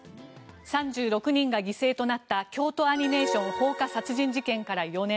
３６人が犠牲となった京都アニメーション放火殺人事件から４年。